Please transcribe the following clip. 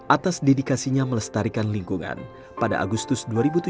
atas dedikasinya melestarikan lingkungan pada agustus dua ribu tujuh belas